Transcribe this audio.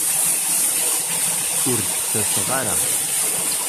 Ur d-ttaseɣ ara.